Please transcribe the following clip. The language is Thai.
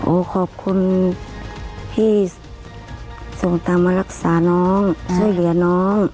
ขอบคุณที่ส่งตามมารักษาน้องช่วยเหลือน้อง